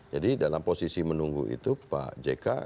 jadi dalam posisi menunggu itu pak jk